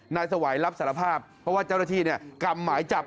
นายสวัยรับสารภาพเพราะว่าเจ้าหน้าที่กำหมายจับ